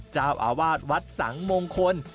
เจ้าอาวาสวัดสังมงคล